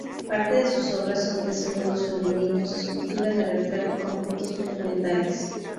Parte de sus obras son desnudos femeninos, escultura de retrato y conjuntos monumentales.